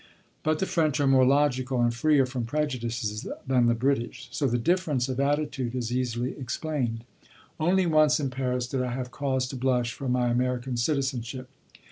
But the French are more logical and freer from prejudices than the British; so the difference of attitude is easily explained. Only once in Paris did I have cause to blush for my American citizenship.